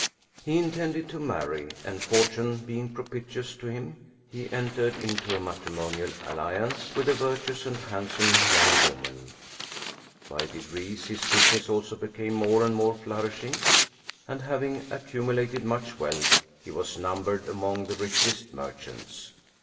He intended to marry, and fortune being propitious to him, he entered into a matrimonial alliance with a vir tuous and handsome young woman; by degrees his busi ness also became more and more flourishing, and having accumulated much wealth, he was numbered among the richest merchants.